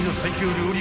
料理